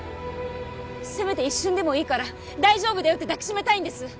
せめて一瞬でもいいから「大丈夫だよ」って抱きしめたいんです